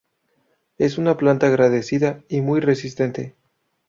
Es una planta agradecida y muy resistente.